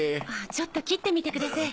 ちょっと切ってみてください。